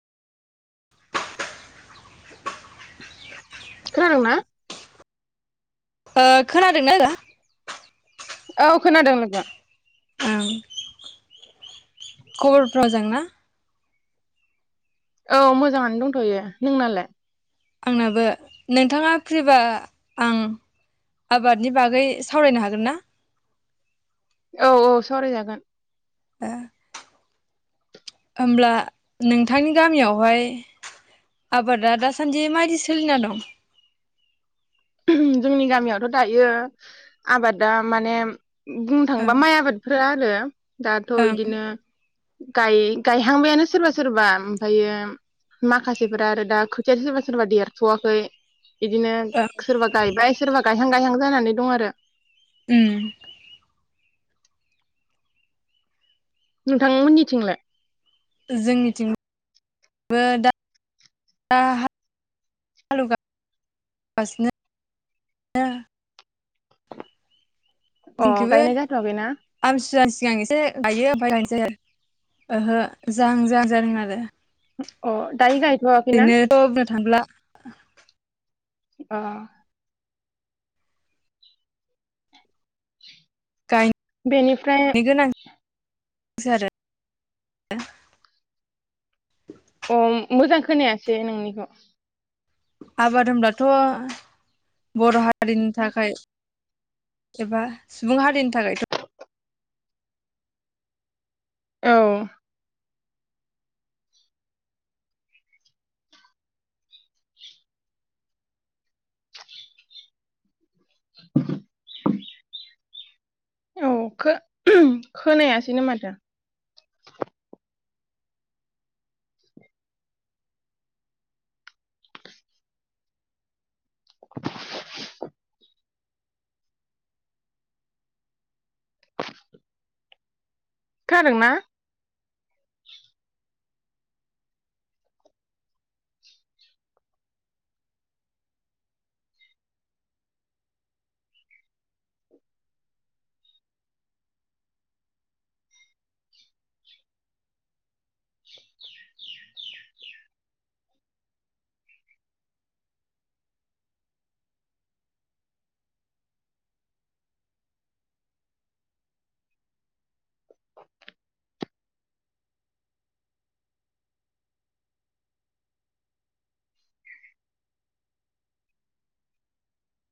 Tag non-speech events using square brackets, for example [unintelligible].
खोनादों ना? खोनादोंना आ। औ खोनादों लोगो। ओं खबरफ्रा मोजांना? औ मोजाङानो दंथ'यो नोंनालाय? नोंथाङा फ्रिबा आं आबादनि बागै सावरायनो हागोन ना? औ औ सावरायजागोन। ओ होमब्ला नोंथांनि गामियावहाय आबादा दासान्दि मायदि सोलिना दं? जोंनि गामियावथ' दायो आबादा माने बुंनो थाङोबा ओं माइ आबाद फोर आरो दाथ' ओं बिदिनो गाय गायहांबायानो सोरबा सोरबा ओमफ्रायो माखासेफोरा आरो दा खोथिया सोरबा सोरबा देरथ'वाखै। बिदिनो ओं सोरबा गायबाय सोरबा गायहां गायहां जानानै दं आरो। ओम। नोंथांमोननिथिंलाय? जोंनिथिंबो दा हा हालौगासिनो। अ जोंखैबो गायनाय जाथ'वाखैना? आमसुवानि सिगां एसे गायो, ओमफ्राय [unintelligible] ओहो जाहां जाहां जादों आरो। अ दायो गायथ'आखै ना? [unintelligible] बुंनो थांब्ला अ। गाय बेनिफ्राय [unintelligible] अ मोजां खोनायासै नोंनिखौ। [unintelligible] ब्लाथ' बर' हारिनि थाखाय एबा सुबुं हारिनि थाखायथ' औ। [inaudible] औ खो-खोनायासैनो माथो। खोनादोंना?